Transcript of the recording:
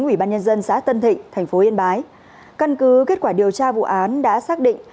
ubnd xã tân thịnh tp yên bái căn cứ kết quả điều tra vụ án đã xác định